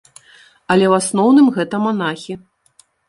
Але ў асноўным гэта манахі.